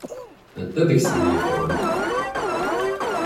Anta deg-sen i yeffɣen?